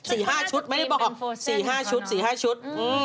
สี่ห้าชุดไม่ได้บอกสี่ห้าชุด